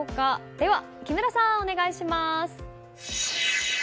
では木村さん、お願いします。